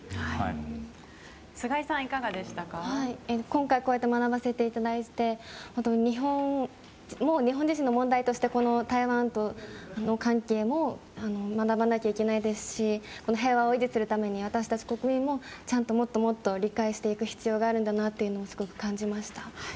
今回こうやって学ばせていただいてもう日本自身の問題として台湾との関係も学ばなければいけないですし平和を維持するために私たち国民もちゃんともっともっと理解していく必要があると感じました。